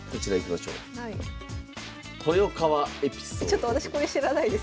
ちょっと私これ知らないです。